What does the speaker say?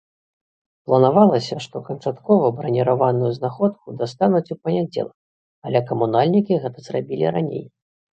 Планавалася, што канчаткова браніраваную знаходку дастануць у панядзелак, але камунальнікі гэта зрабілі раней.